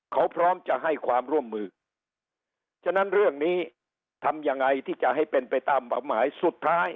เขาพร้อมจะให้ความร่วมมือฉะนั้นเรื่องนี้ทำยังไงที่จะให้เป็นไปตามเป้าหมายสุดท้าย